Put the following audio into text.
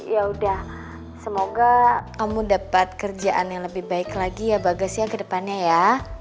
yaudah semoga kamu dapat kerjaan yang lebih baik lagi ya bagas ya kedepannya ya